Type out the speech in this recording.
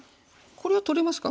これは取れますか？